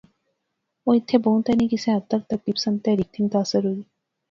او ایتھیں بہوں تہ نئیں کسے حد تک ترقی پسند تحریک تھی متاثر ہوئی